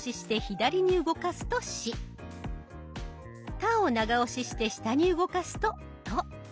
「た」を長押しして下に動かすと「と」。